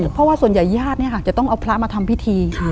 เพราะว่าส่วนใหญ่ญาติจะต้องเอาพระมาทำพิธี